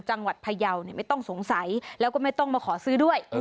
พยาวไม่ต้องสงสัยแล้วก็ไม่ต้องมาขอซื้อด้วย